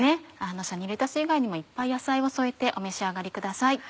サニーレタス以外にもいっぱい野菜を添えてお召し上がりください。